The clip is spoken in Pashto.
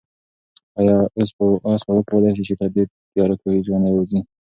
آیا آس به وکولای شي چې له دې تیاره کوهي ژوندی ووځي؟